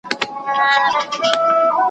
ورځي ستړو منډو یووړې شپې د ګور غیږي ته لویږي `